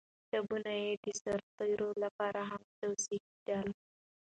کتابونه یې د سرتېرو لپاره هم توصیه کېدل.